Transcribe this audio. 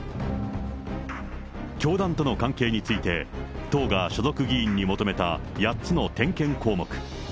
教団との関係について、党が所属議員に求めた８つの点検項目。